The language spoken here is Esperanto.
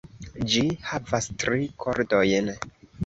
Ĝi havas tri kordojn.